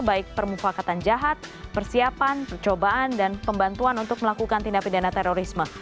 baik permufakatan jahat persiapan percobaan dan pembantuan untuk melakukan tindak pidana terorisme